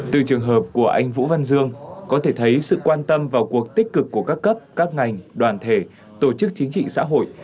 từ trường hợp của anh vũ văn dương có thể thấy sự quan tâm vào cuộc tích cực của các cấp các ngành đoàn thể tổ chức chính trị xã hội